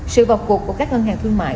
sự vọc cuộc của các ngân hàng thương mại